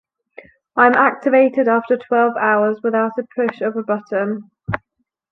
I am activated after twelve hours without a push of a button.